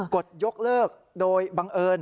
กดยกเลิกโดยบังเอิญ